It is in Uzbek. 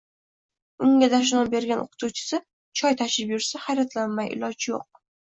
unga dashnom bergan o’qituvchisi choy tashib yursa, hayratlanmay iloj yo’q!